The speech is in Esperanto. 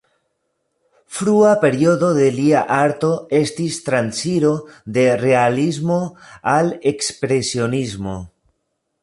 Frua periodo de lia arto estis transiro de realismo al ekspresionismo.